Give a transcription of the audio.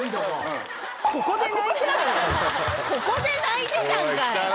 ここで泣いてたんか